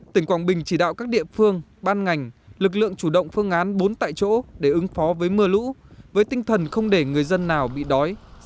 tỉnh quảng bình chỉ đạo các địa phương ban ngành lực lượng chủ động phương án bốn tại chỗ để ứng phó với mưa lũ với tinh thần không để người dân nào bị đói